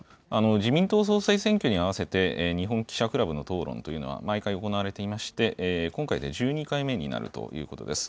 自民党総裁選挙に合わせて、日本記者クラブの討論というのは、毎回行われていまして、今回で１２回目になるということです。